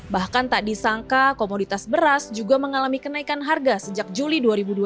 bahkan tak disangka komoditas beras juga mengalami kenaikan harga sejak juli dua ribu dua puluh